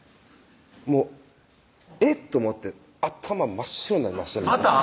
えっ！と思って頭真っ白になりましてまた？